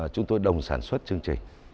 chúng tôi đồng sản xuất chương trình